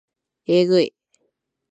えぐい